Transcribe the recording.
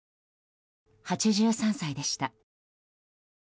８３歳でした。